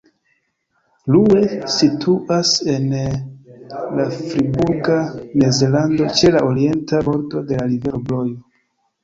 Rue situas en la Friburga Mezlando ĉe la orienta bordo de la rivero Brojo.